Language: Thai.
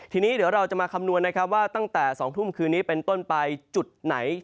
ทีนี้เดี๋ยวเราจะมาคำนวณนะครับว่าตั้งแต่๒ทุ่มคืนนี้เป็นต้นไปจุดไหน